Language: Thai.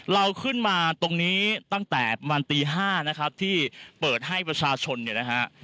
เราขึ้นมาตรงนี้ตั้งแต่ประมาณตี๕นะครับที่เปิดให้ประชาชนเนี่ยนะฮะ